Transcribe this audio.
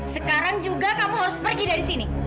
sekarang juga kamu harus pergi dari sini